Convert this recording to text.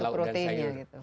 lauknya itu proteinnya gitu